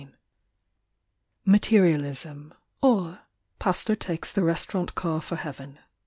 MATERIALISM : OR PASTOR TAKES THE RESTAURANT CAR FOR HEAVEN.